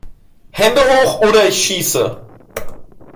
Hände hoch oder ich schieße!